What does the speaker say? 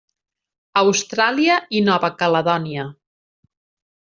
Austràlia i Nova Caledònia.